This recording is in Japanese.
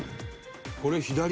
「これ左？」